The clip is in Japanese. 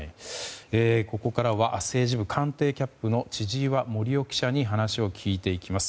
ここからは政治部官邸キャップの千々岩森生記者に話を聞いていきます。